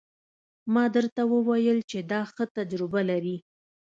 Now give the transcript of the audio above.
ما درته وويل چې دا ښه تجربه لري.